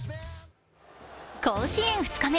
甲子園２日目。